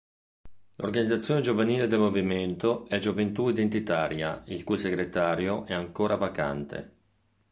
L'organizzazione giovanile del movimento è Gioventù Identitaria, il cui segretario è ancora vacante.